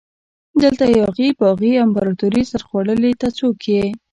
دلته یاغي باغي امپراتوري سرخوړلي ته څوک يي؟